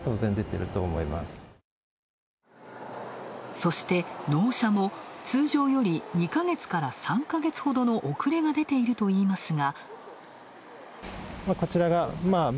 そして納車も通常より、２ヶ月から３ヶ月ほどの遅れが、出ているといいますが。